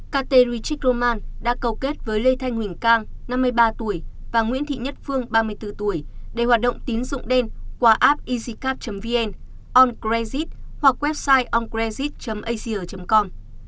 ketarichik roman đã cầu kết với lê thanh huỳnh cang năm mươi ba tuổi và nguyễn thị nhất phương ba mươi bốn tuổi để hoạt động tín dụng đen qua app easycard vn oncredit hoặc website oncredit asia com